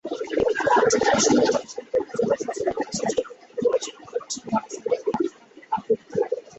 তাঁরা সেখানে সুন্দরবন সম্পর্কে জনসচেতনতা সৃষ্টি করতে পরিবেশন করছেন গণসংগীত, পথনাটক, আবৃত্তি।